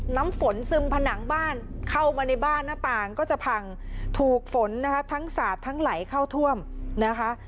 น้ำฝนซึมผนังบ้านเข้ามาในบ้านหน้าต่างก็จะพังถูกฝนนะคะทั้งสาดทั้งไหลเข้าท่วมนะคะ